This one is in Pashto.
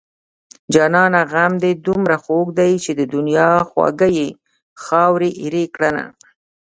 جانانه غم دې دومره خوږ دی چې د دنيا خواږه يې خاورې ايرې کړنه